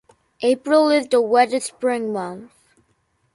April is the wettest spring month.